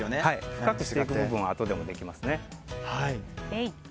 深くしていく部分はあとでもできますね。